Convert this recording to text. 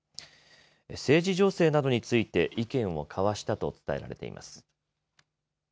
政治情勢などについて意見を交わしたと伝えられています。